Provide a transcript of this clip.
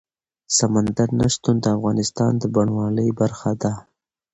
سمندر نه شتون د افغانستان د بڼوالۍ برخه ده.